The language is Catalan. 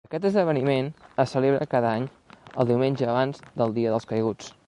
Aquest esdeveniment es celebra cada any, el diumenge abans del Dia dels Caiguts.